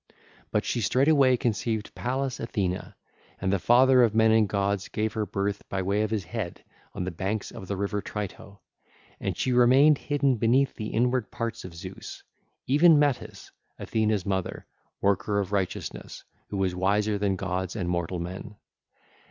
But she straightway conceived Pallas Athene: and the father of men and gods gave her birth by way of his head on the banks of the river Trito. And she remained hidden beneath the inward parts of Zeus, even Metis, Athena's mother, worker of righteousness, who was wiser than gods and mortal men.